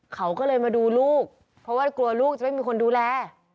เขาก็เลยมาดูลูกเพราะว่ากลัวลูกจะไม่มีคนดูแล